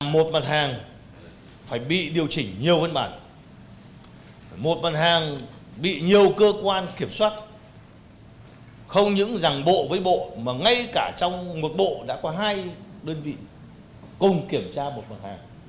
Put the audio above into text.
một mặt hàng phải bị điều chỉnh nhiều văn bản một mặt hàng bị nhiều cơ quan kiểm soát không những ràng bộ với bộ mà ngay cả trong một bộ đã có hai đơn vị cùng kiểm tra một mặt hàng